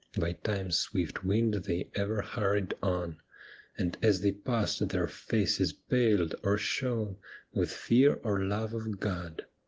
By time's swift wind they ever hurried on ; And as they passed their faces paled or shone With fear or love of God.